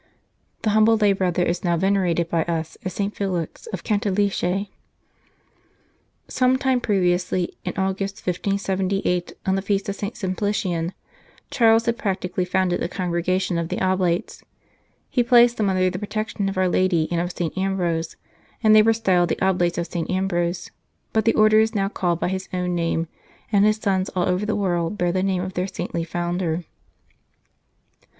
The humble lay brother is now venerated by us as St. Felix of Cantalice. Some time previously, in August, 1578, on the feast of St. Simplician, Charles had practically founded the Congregation of the Oblates. He placed them under the protection of our Lady and of St. Ambrose, and they were styled the Oblates of St. Ambrose; but the Order is now called by his own name, and his sons all over the world bear the name of their saintly founder.